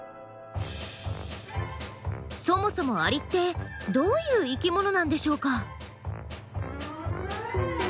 そもそもアリってどういう生きものなんでしょうか？